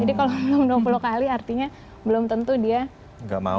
jadi kalau belum dua puluh kali artinya belum tentu dia gak mau